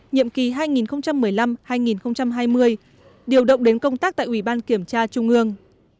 nhiệm kỳ hai nghìn một mươi năm hai nghìn hai mươi điều động đến công tác tại ủy ban kiểm tra trung ương